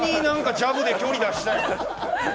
ジャブで距離出した。